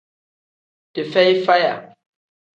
Dii feyi faya.